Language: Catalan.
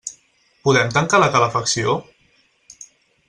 Podem tancar la calefacció?